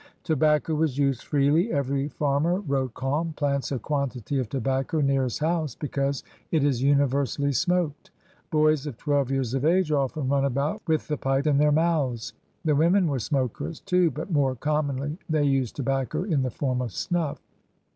Tobacco was used freely. "Every farmer/* wrote Kalm, "plants a quantity of tobacco near his house because it is universally smoked. Boys of twelve years of age often run about with the pipe in their mouths. " The women were smokers, too, but more commonly they used tobacco in the form of snuff.